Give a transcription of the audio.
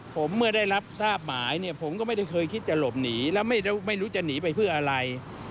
ผมเมื่อได้รับทราบหมายเนี่ยผมก็ไม่ได้เคยคิดจะหลบหนีแล้วไม่รู้จะหนีไปเพื่ออะไร